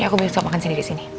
ya aku besok makan sini sini